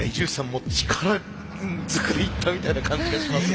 もう力ずくでいったみたいな感じがしますね。